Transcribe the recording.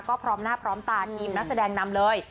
ก็พร้อมหน้าพร้อมตาทีมนักแสดงนำเลย